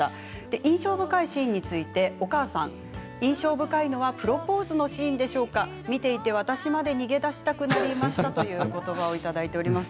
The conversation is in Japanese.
印象深いシーンについてはお母さん、印象深いのはプロポーズのシーンでしょうか、見ていて私まで逃げ出したくなりましたということばをいただいています。